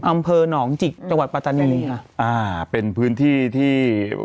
อำเภอนองจิกปัตตานีฮะเป็นที่ที่